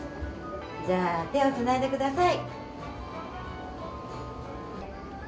じゃあ、手をつないでください。